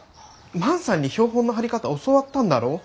万さんに標本の貼り方教わったんだろう？